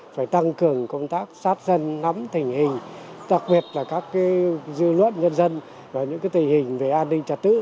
phải tăng cường công tác sát dân nắm tình hình đặc biệt là các dư luận nhân dân và những tình hình về an ninh trật tự